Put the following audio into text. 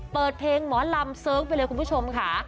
เปิดเพลงหมอลำเสิร์ฟไปเลยคุณผู้ชมค่ะ